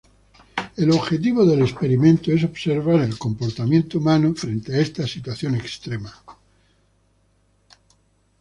El objetivo del experimento es observar el comportamiento humano frente a esta situación extrema.